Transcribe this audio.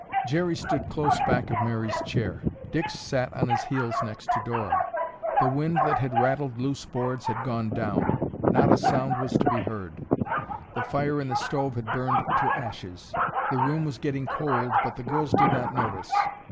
Jerry stood close back of Mary's chair. Dick sat on his heels next to Dora. The wind that had rattled loose boards had gone down. Not a sound was to be heard. The fire in the stove had burned to ashes. The room was getting cold but the girls did not notice.